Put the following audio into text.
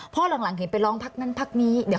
เพราะหลังเห็นไปร้องพักนั้นพักนี้